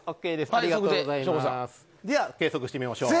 では、計測してみましょう。